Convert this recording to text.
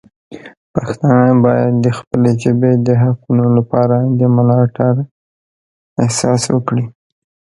پښتانه باید د خپلې ژبې د حقونو لپاره د ملاتړ احساس وکړي.